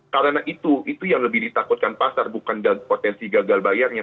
karena itu itu yang lebih ditakutkan pasar bukan potensi gagal bayarnya